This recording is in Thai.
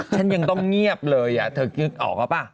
ฉันยังต้องเงียบเลยเธอก็คิดออกเขาเปล่า